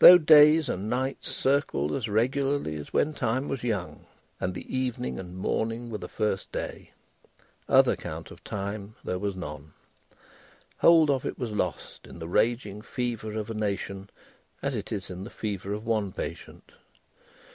Though days and nights circled as regularly as when time was young, and the evening and morning were the first day, other count of time there was none. Hold of it was lost in the raging fever of a nation, as it is in the fever of one patient.